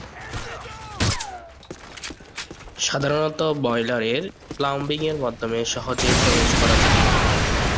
সাধারণত বয়লারের 'প্লাম্বিং' এর মাধ্যমে সহজে প্রবেশ করা যেত।